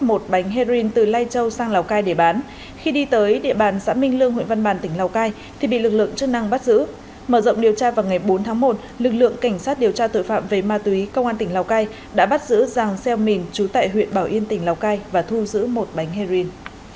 mở rộng điều tra vào ngày bốn tháng một lực lượng cảnh sát điều tra tội phạm về ma túy công an tỉnh lào cai đã bắt giữ ràng xe mìn trú tại huyện bảo yên tỉnh lào cai và thu giữ một bánh heroin